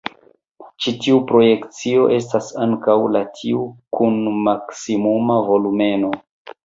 Ĉi tiu projekcio estas ankaŭ la tiu kun maksimuma volumeno.